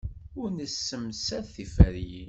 Ur nessemsad tiferyin.